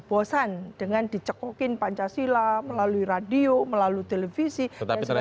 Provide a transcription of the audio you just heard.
bosan dengan dicekokin pancasila melalui radio melalui televisi dan sebagainya